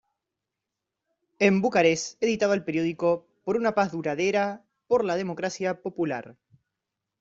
En Bucarest editaba el periódico "¡Por una paz duradera, por una democracia popular!